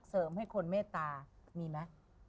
เสริมให้คนเมตตามีมั้ย